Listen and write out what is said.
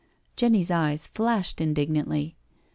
Jenny's eyes flashed indignantly.